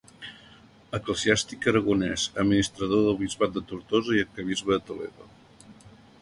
Eclesiàstic aragonès, administrador del bisbat de Tortosa i arquebisbe de Toledo.